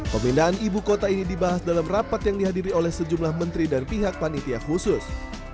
pemindahan ibu kota ini dibahas dalam rapat yang dihadiri oleh sejumlah menteri dan pihak panitia khusus